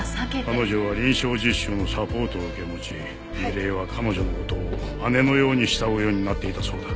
彼女は臨床実習のサポートを受け持ち楡井は彼女の事を姉のように慕うようになっていたそうだ。